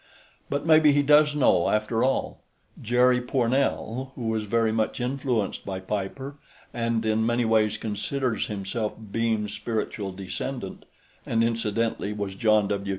But maybe he does know, after all. Jerry Pournelle, who was very much influenced by Piper and in many ways considers himself Beam's spiritual descendant and incidently was John W.